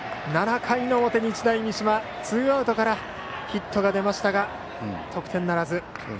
７回の表、日大三島ツーアウトからヒットが出ましたが得点ならず。